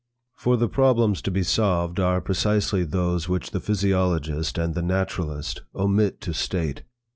For, the problems to be solved are precisely those which the physiologist and the naturalist omit to state.